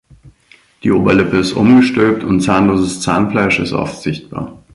Die Oberlippe ist umgestülpt, und zahnloses Zahnfleisch ist oft sichtbar.